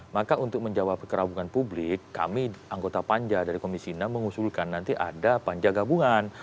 maka untuk menjawab kekerabungan publik kami anggota panja dari komisi enam mengusulkan nanti ada panja gabungan